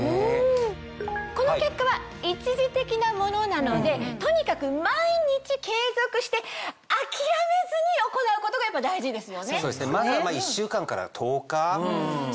この結果は一時的なものなのでとにかく毎日継続して諦めずに行うことがやっぱ大事ですよね。